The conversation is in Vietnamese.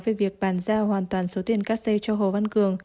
về việc bàn giao hoàn toàn số tiền cắt xe cho hồ văn cường